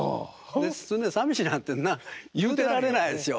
でそんなんさみしいなんてな言うてられないですよ。